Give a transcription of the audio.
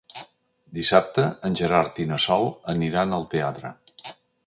Dissabte en Gerard i na Sol aniran al teatre.